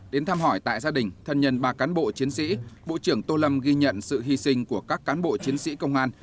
đến thăm hỏi tại gia đình thân nhân ba cán bộ chiến sĩ bộ trưởng tô lâm ghi nhận sự hy sinh của các cán bộ chiến sĩ công an